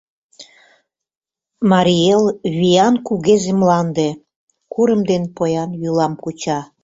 Марий Эл — виян кугезе мланде, Курым ден поян йӱлам куча.